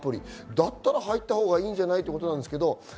だったら入ったほうがいいんじゃない？ということです。